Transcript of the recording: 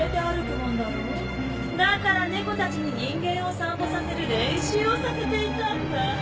だから猫たちに人間を散歩させる練習をさせていたんだ。